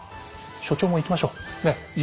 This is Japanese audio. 所長も行きましょう。ね。